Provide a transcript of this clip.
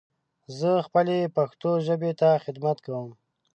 زه خپلې پښتو ژبې ته خدمت کوم.